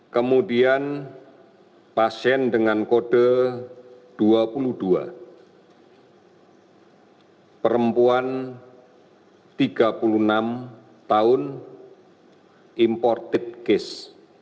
kemudian pasien dengan kode dua puluh dua perempuan tiga puluh enam tahun imported case